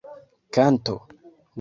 kanto